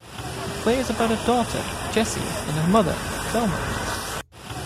The play is about a daughter, Jessie, and her mother, Thelma.